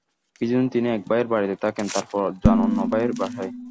কিছুদিন তিনি এক ভাইয়ের বাড়িতে থাকেন, তারপর যান অন্য ভাইয়ের বাসায়।